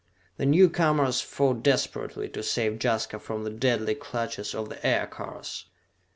The newcomers fought desperately to save Jaska from the deadly clutches of the aircars.